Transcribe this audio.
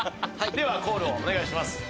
ではコールをお願いします。